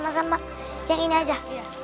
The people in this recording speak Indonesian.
sama sama yang ini aja